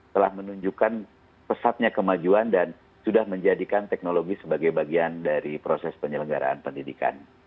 telah menunjukkan pesatnya kemajuan dan sudah menjadikan teknologi sebagai bagian dari proses penyelenggaraan pendidikan